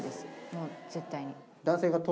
もう絶対に。